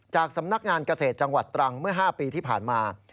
สำนักงานเกษตรจังหวัดตรังเมื่อ๕ปีที่ผ่านมา